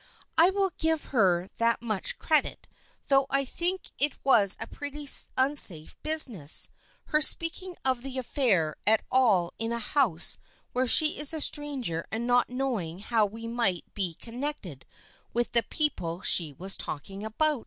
I will give her that much credit, though I think it was a pretty unsafe business, her speaking of the affair at all in a house where she is a stranger and not knowing how we might be connected with the people she was talking about.